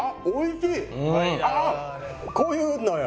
こういうのよ。